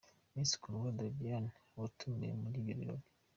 Miss Kundwa Doriane yatumiwe muri ibyo birori.